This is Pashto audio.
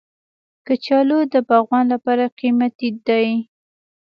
کچالو د باغوان لپاره قیمتي دی